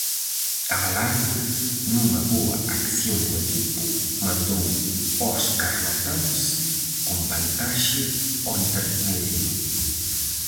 Abelardo, nunha boa acción do equipo, mandou aos carnotáns con vantaxe ao intermedio.